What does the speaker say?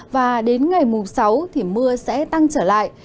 và đến ngày mùng sáu thì mưa sẽ tăng trở lại